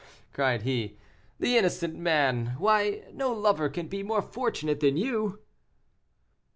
"Oh!" cried he, "the innocent man. Why, no lover can be more fortunate than you."